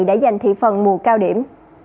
để giành thị phần mùa cao điểm